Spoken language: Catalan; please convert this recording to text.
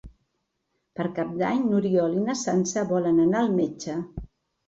Per Cap d'Any n'Oriol i na Sança volen anar al metge.